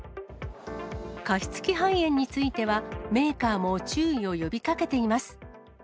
加湿器肺炎については、メーカーも注意を呼びかけています。